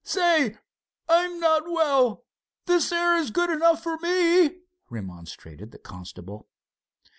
Say, I'm not well! This air is good enough for me," remonstrated the constable.